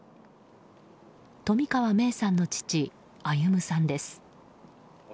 冨川芽生さんの父・歩さんです。